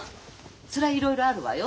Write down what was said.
そりゃいろいろあるわよ。